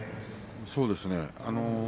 そうですね。